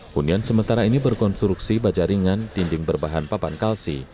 hunian sementara ini berkonstruksi baja ringan dinding berbahan papan kalsi